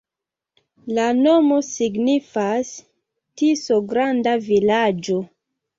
La nomo signifas: Tiso-granda-vilaĝo.